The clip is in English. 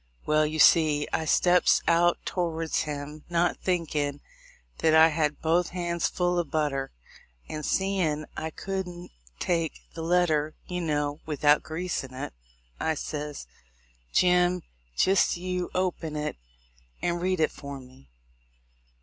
Well, you see, I steps out towards him, not thinkin' that I had both hands full of but ter; and seein' I couldn't take the letter, you know, without greasin' it, I ses, "Jim, jist you open it, and read it for me."